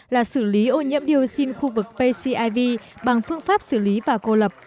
là xử lý ô nhiễm dioxin khu vực pciv bằng phương pháp xử lý và cô lập